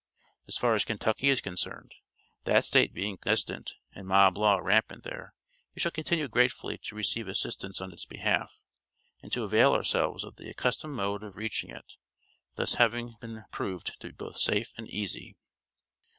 As far as Kentucky is concerned, that State being distant, and mob law rampant there, we shall continue gratefully to receive assistance on its behalf, and to avail ourselves of the accustomed mode of reaching it, this having been proved to be both safe and easy.